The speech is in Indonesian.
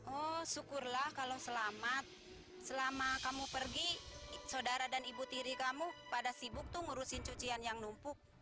oh syukurlah kalau selamat selama kamu pergi saudara dan ibu tiri kamu pada sibuk tuh ngurusin cucian yang numpuk